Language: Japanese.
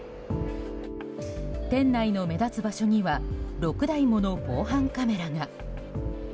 店内の目立つ場所には６台もの防犯カメラが。